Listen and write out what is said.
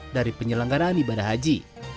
dari penyelenggaraan ibadah haji